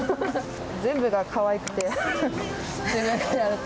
全部がかわいくて製麺からやると。